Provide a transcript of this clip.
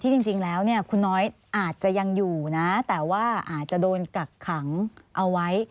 จริงแล้วคุณน้อยอาจจะยังอยู่นะแต่ว่าอาจจะโดนกักขังเอาไว้